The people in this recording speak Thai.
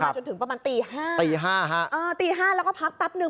มาจนถึงประมาณตี๕แล้วก็พักปั๊บหนึ่ง